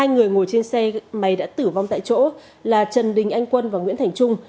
hai người ngồi trên xe máy đã tử vong tại chỗ là trần đình anh quân và nguyễn thành trung